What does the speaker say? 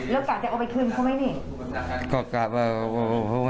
แล้วกะจะเอาไปคืนเขาไม่เห็น